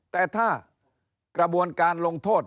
แต่ถ้ากระบวนการลงโทษ